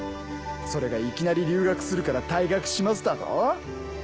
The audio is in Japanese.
それがいきなり留学するから退学しますだと？